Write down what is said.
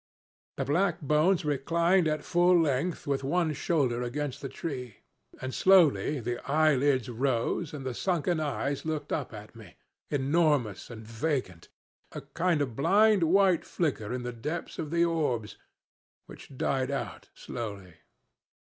The black bones reclined at full length with one shoulder against the tree, and slowly the eyelids rose and the sunken eyes looked up at me, enormous and vacant, a kind of blind, white flicker in the depths of the orbs, which died out slowly.